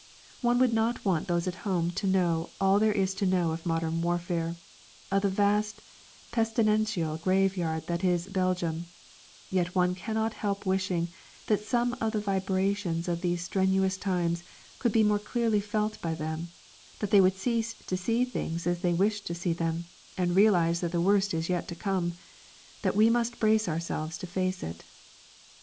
One would not want those at home to know all there is to know of modern warfare of the vast pestilential graveyard that is Belgium yet one cannot help wishing that some of the vibrations of these strenuous times could be more clearly felt by them, that they would cease to see things as they wish to see them, and realise that the worst is yet to come that we must brace ourselves to face it.